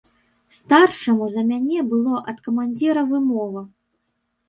Старшаму за мяне было ад камандзіра вымова.